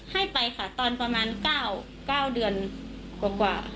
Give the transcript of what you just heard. ให้ไปค่ะตอนประมาณ๙เดือนกว่า